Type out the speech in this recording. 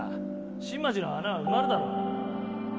新町の穴は埋まるだろう